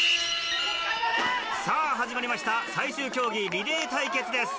さぁ始まりました最終競技リレー対決です。